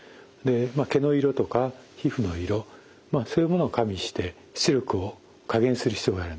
毛の色とか皮膚の色そういうものを加味して出力を加減する必要があるんです。